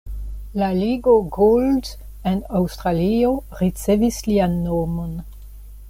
La Ligo Gould en Aŭstralio ricevis lian nomon.